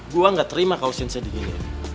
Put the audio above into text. gue gak terima kalau sense digini